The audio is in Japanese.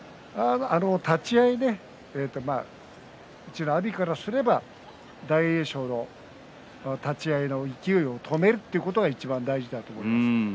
立ち合い、阿炎からすれば大栄翔の立ち合いの勢いを止めるということがいちばん大事だと思います。